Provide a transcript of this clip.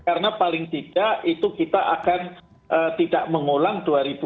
karena paling tidak itu kita akan tidak mengulang dua ribu empat belas